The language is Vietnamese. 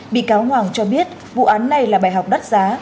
bị cáo hoàng cho biết vụ án này là bài học đắt giá